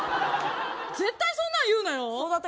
絶対にそんなん言うなよ。